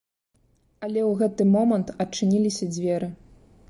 Але ў гэты момант адчыніліся дзверы.